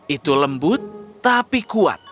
itu lembut tapi kuat